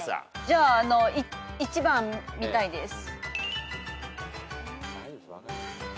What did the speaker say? じゃあ１番見たいです。